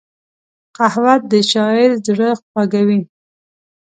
قهوه د شاعر زړه خوږوي